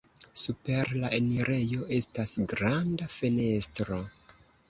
Super la enirejo estas granda fenestro.